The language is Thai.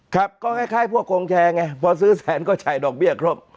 ครับก็คล้ายพวกโกงแชร์ไงพอซื้อแสนก็จ่ายดอกเบี้ยครบ